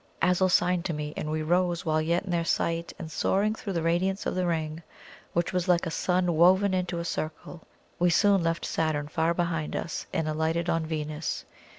Azul signed to me, and we rose while yet in their sight, and soaring through the radiance of the ring, which was like a sun woven into a circle, we soon left Saturn far behind us, and alighted on Venus.